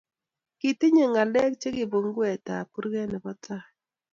Kitinyei ngalek kibunguetab kurget nebo tai